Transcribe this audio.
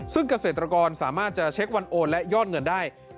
ซึ่งเกษตรกรสามารถจะเช็ควันโอนและยอดเงินได้